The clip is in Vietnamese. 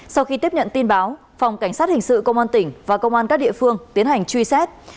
sau khi tiếp nhận tin báo phòng cảnh sát hình sự công an tỉnh và công an các địa phương tiến hành truy xét